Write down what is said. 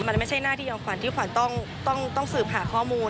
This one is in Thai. มันไม่ใช่หน้าที่ยอมขวัญที่ขวัญต้องสืบหาข้อมูล